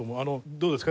どうですか？